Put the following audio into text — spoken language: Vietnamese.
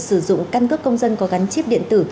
sử dụng căn cước công dân có gắn chip điện tử